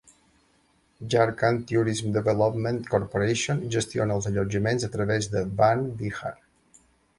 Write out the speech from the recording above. Jharkhand Tourism Development Corporation gestiona els allotjaments a través de Van Vihar.